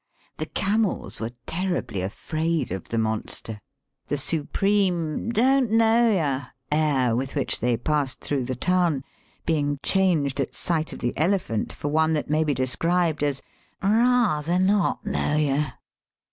The camels were terribly afraid of the monster, the supreme *^ don't know yah " air with which they passed through the town, being changed at sight of the elephant for one that may be described as " rather not kno w yah.